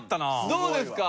どうですか？